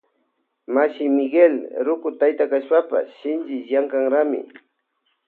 Mashi Miguel ruku tayta kashpapash shinchi llankanrami.